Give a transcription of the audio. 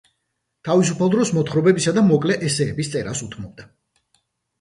თავისუფალ დროს მოთხრობებისა და მოკლე ესსეების წერას უთმობდა.